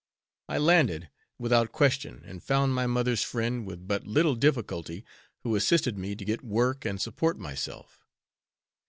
I landed, without question, and found my mother's friend with but little difficulty, who assisted me to get work and support myself.